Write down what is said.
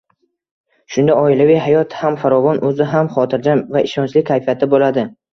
Shunda oilaviy hayot ham farovon, o‘zi ham xotirjam va ishonchli kayfiyatda bo‘ladi.